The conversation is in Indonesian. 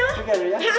gak ada ya